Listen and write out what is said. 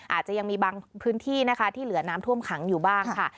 อาจจะยังมีบางพื้นที่นะคะที่เหลือน้ำท่วมขังอยู่บ้างค่ะ